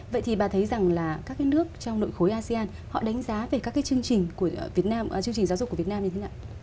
vậy thì bà thấy rằng là các nước trong nội khối asean họ đánh giá về các chương trình giáo dục của việt nam như thế nào